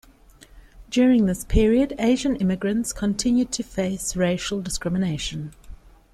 During this period, Asian immigrants continued to face racial discrimination.